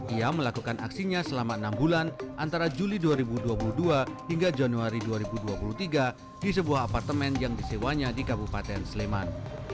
ia melakukan aksinya selama enam bulan antara juli dua ribu dua puluh dua hingga januari dua ribu dua puluh tiga di sebuah apartemen yang disewanya di kabupaten sleman